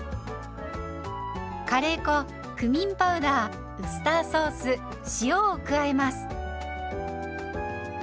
カレー粉クミンパウダーウスターソース塩を加えます。